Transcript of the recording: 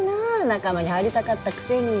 仲間に入りたかったくせに。